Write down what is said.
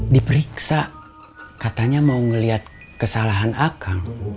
diperiksa katanya mau ngeliat kesalahan akang